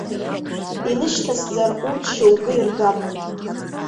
Инышьҭасҵар, урҭ шьоукы иргап.